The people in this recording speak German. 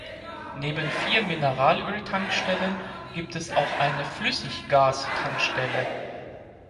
Neben vier Mineralöl-Tankstellen gibt es auch eine Flüssiggas-Tankstelle.